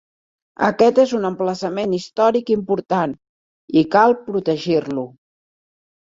Aquest és un emplaçament històric important, i cal protegir-lo.